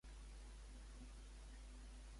Les administracions ara hem trepitjat el gas a fons